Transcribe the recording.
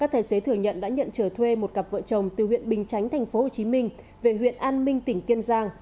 hiện trở thuê một cặp vợ chồng từ huyện bình chánh tp hcm về huyện an minh tỉnh kiên giang